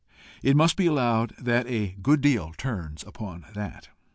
It must be allowed that a good deal turns upon that.